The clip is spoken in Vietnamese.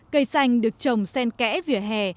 cây xanh được trồng sen kẽ vỉa hè